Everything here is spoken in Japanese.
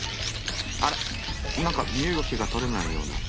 あらなんか身動きがとれないような。